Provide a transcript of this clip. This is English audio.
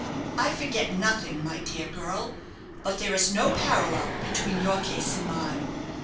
"I forget nothing, my dear girl. But there is no parallel between your case and mine.